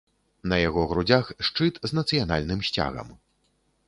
На яго грудзях шчыт з нацыянальным сцягам.